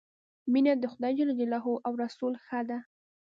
مینه د خدای ج او رسول ښه ده.